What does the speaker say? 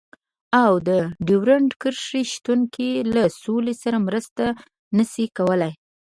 او د ډيورنډ کرښې شتون کې له سولې سره مرسته نشي کولای.